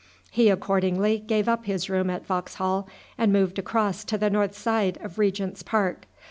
He accordingly gave up his room at Vauxhall, and moved across to the north side of Regent's Park.